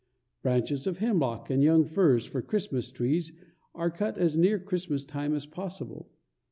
Branches of hemlock and young firs for Christmas trees are cut as near Christmas time as possible.